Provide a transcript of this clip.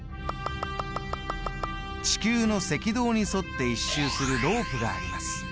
地球の赤道に沿って１周するロープがあります。